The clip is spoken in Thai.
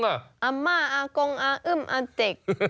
อำมาตย์อาโกงอาอึ้มอาเจ็ก